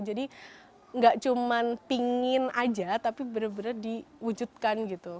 jadi gak cuman pingin aja tapi bener bener diwujudkan gitu